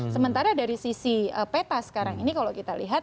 sementara dari sisi peta sekarang ini kalau kita lihat